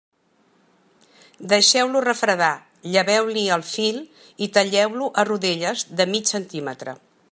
Deixeu-lo refredar, lleveu-li el fil i talleu-lo a rodelles de mig centímetre.